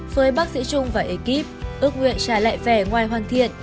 với bác sĩ chung và ekip ước nguyện trả lại vẻ ngoài hoàn thiện